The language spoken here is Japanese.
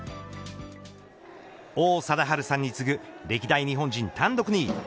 王貞治さんに次ぐ歴代日本人単独２位。